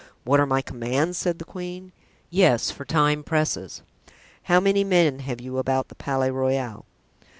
"What are my commands?" said the queen. "Yes, for time presses." "How many men have you about the Palais Royal?"